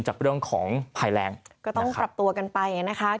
จากเรื่องของภัยแรงก็ต้องปรับตัวกันไปนะคะ